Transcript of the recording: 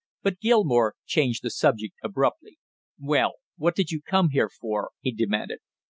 But Gilmore changed the subject abruptly. "Well, what did you come here for?" he demanded.